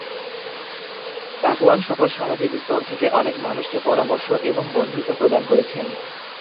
তাকুয়ান সকল সামাজিক স্তর থেকে অনেক মানুষকে পরামর্শ এবং বন্ধুত্ব প্রদান করেছেন।